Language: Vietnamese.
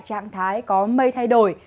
trạng thái có mây thay đổi